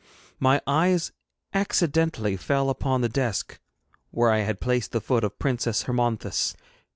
My eyes accidentally fell upon the desk where I had placed the foot of the Princess Hermonthis.